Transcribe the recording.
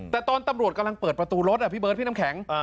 แต่ตอนตำรวจกำลังเปิดประตูรถพี่เบิร์ดพี่น้ำแข็ง